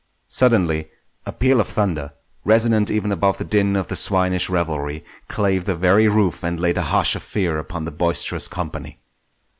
Suddenly a peal of thunder, resonant even above the din of the swinish revelry, clave the very roof and laid a hush of fear upon the boisterous company.